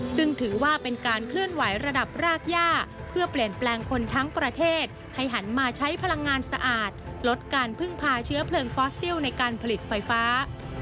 ซึ่งถือว่าเป็นการเคลื่อนไหวระดับรากย่าเพื่อเปลี่ยนแปลงคนทั้งประเทศให้หันมาใช้พลังงานสะอาดลดการพึ่งพาเชื้อเพลิงฟอสซิลในการผลิตไฟฟ้า